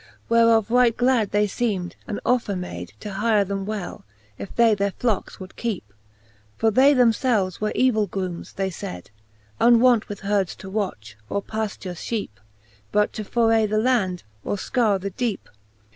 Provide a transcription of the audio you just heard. XL. Whereof right glad they feem'd, and offer made To hyre them well, if they their flockes would keepe : For they themfelves were evill groomes, they fayd, Unwont with heards to watch, or paflure fheepe, But to forray the land, or fcoure the deepe.